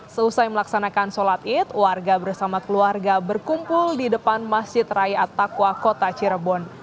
selesai melaksanakan sholat id warga bersama keluarga berkumpul di depan masjid raya attaqwa kota cirebon